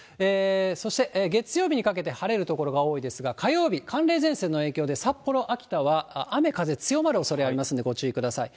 そして月曜日にかけて晴れる所が多いですが、火曜日、寒冷前線の影響で札幌、秋田は雨、風強まるおそれありますので、ご注意ください。